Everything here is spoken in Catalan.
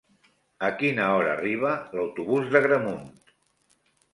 A quina hora arriba l'autobús d'Agramunt?